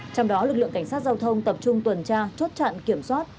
trong đó lực lượng cảnh sát giao thông tập trung tuần tra chốt chặn kiểm soát